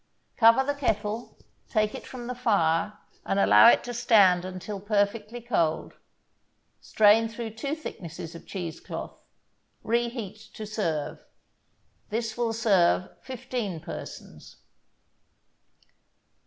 Cover the kettle, take it from the fire and allow it to stand until perfectly cold. Strain through two thicknesses of cheese cloth. Reheat to serve. This will serve fifteen persons.